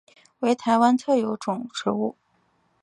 为台湾特有种植物。